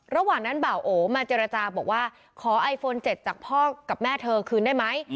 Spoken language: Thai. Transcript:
ระหว่างนั้นบ่าโอมาเจรจาบอกว่าขอไอโฟน๗จากพ่อกับแม่เธอคืนได้ไหม